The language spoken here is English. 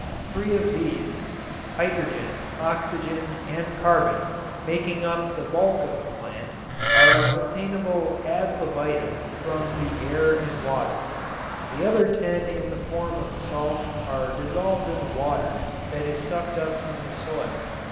Three of these, hydrogen, oxygen and carbon, making up the bulk of the plant, are obtainable ad libitum from the air and water. The other ten in the form of salts are dissolved in the water that is sucked up from the soil.